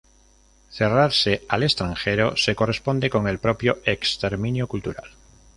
Cerrarse al extranjero se corresponde con el propio exterminio cultural.